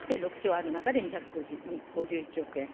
ある中で２５１億円。